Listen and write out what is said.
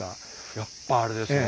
やっぱあれですね。